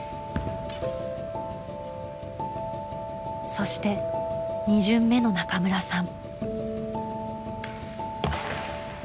そして２巡目の中村さん。